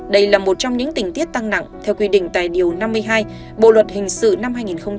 đây là một trong những tình tiết tăng nặng theo quy định tại điều năm mươi hai bộ luật hình sự năm hai nghìn một mươi năm